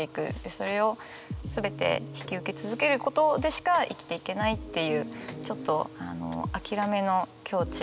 それを全て引き受け続けることでしか生きていけないっていうちょっと諦めの境地。